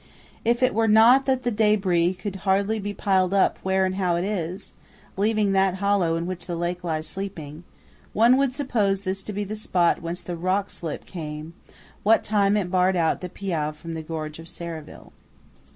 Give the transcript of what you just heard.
If it were not that the débris could hardly be piled up where and how it is, leaving that hollow in which the lake lies sleeping, one would suppose this to be the spot whence the rock slip came what time it barred out the Piave from the gorge of Serravalle.